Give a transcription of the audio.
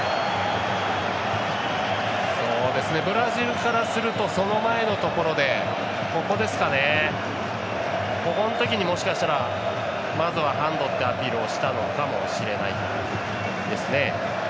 ブラジルからするとその前のところでここのときに、もしかしたらまずはハンドっていうアピールをしたのかもしれないですね。